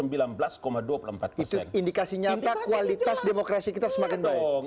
itu indikasi nyata kualitas demokrasi kita semakin bohong